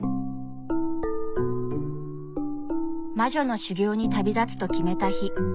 魔女の修業に旅立つと決めた日。